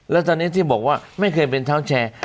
แล้วตอนนี้ที่บอกว่าไม่เคยเป็นเท้าแชร์